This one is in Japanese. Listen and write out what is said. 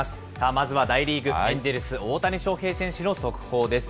まずは大リーグ・エンジェルス、大谷翔平選手の速報です。